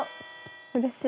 うれしい。